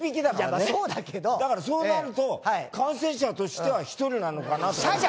だからそうなると感染者としては１人なのかなとか。